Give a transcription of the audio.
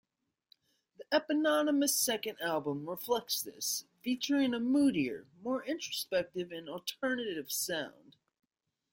The eponymous second album reflects this, featuring a moodier, more introspective and 'alternative' sound.